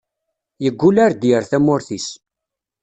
Yeggul ar d-yerr tamurt-is.